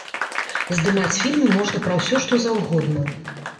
Здымаць фільмы можна пра ўсё, што заўгодна.